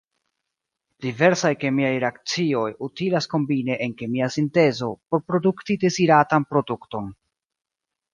Diversaj kemiaj reakcioj utilas kombine en kemia sintezo por produkti deziratan produkton.